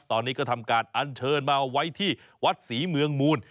ตอนนี้ก็ทำการอันเชิญมาไว้ที่วัดศรีเมืองมูล